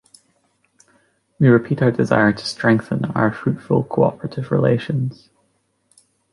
We repeat our desire to strengthen our fruitful cooperative relations.